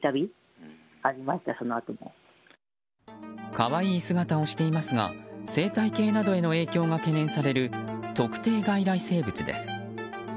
可愛い姿をしていますが生態系などへの影響が懸念される特定外来生物です。